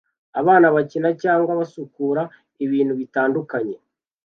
Abana bakina cyangwa basukura ibintu bitandukanye